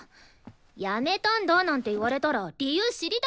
「やめたんだ」なんて言われたら理由知りたくなるじゃん！